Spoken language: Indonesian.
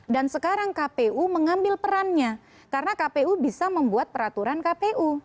dan sekarang kpu mengambil perannya karena kpu bisa membuat peraturan kpu